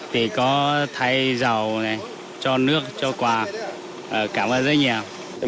thì có thay dầu này cho nước cho quà cảm ơn rất nhiều